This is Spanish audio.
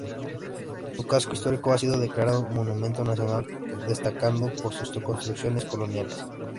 Su casco histórico ha sido declarado Monumento Nacional destacando por sus construcciones coloniales.